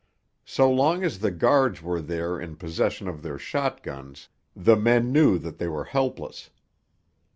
So long as the guards were there in possession of their shotguns the men knew that they were helpless.